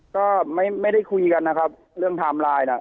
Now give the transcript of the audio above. ก็ไม่ได้คุยกันนะครับเรื่องไทม์ไลน์น่ะ